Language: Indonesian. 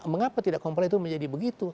mengapa tidak komplain itu menjadi begitu